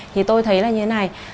thì tôi thấy là như thế này